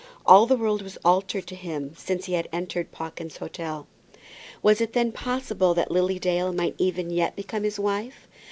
All the world was altered to him since he had entered Pawkins's Hotel. Was it then possible that Lily Dale might even yet become his wife?